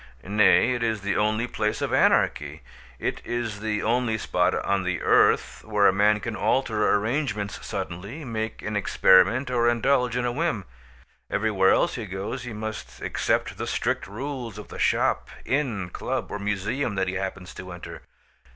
Nay, it is the only place of anarchy. It is the only spot on the earth where a man can alter arrangements suddenly, make an experiment or indulge in a whim. Everywhere else he goes he must accept the strict rules of the shop, inn, club, or museum that he happens to enter.